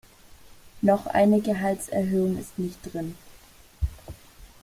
Noch eine Gehaltserhöhung ist nicht drin.